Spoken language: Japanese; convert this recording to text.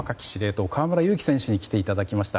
塔河村勇輝選手に来ていただきました。